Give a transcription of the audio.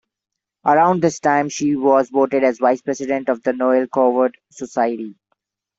Around this time, she was voted as vice president of the Noel Coward Society.